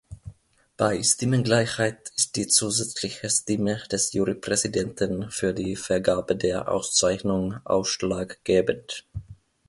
Bei Stimmengleichheit ist die zusätzliche Stimme des Jurypräsidenten für die Vergabe der Auszeichnung ausschlaggebend.